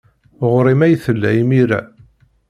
Ɣer-m ay tella imir-a.